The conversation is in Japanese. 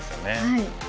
はい。